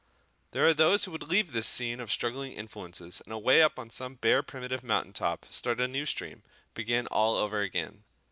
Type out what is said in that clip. There are those who would leave this scene of struggling influences and away up on some bare primitive mountain top start a new stream, begin all over again.